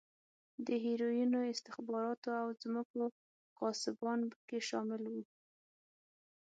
د هیروینو، استخباراتو او ځمکو غاصبان په کې شامل و.